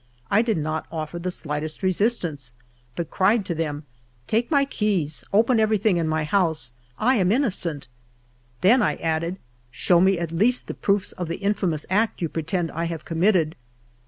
I did not offer the slightest resistance, but cried to them :" Take my keys, open everything in my house ; I am innocent." Then I added, " Show me at least the proofs of the infamous act you pretend I have committed."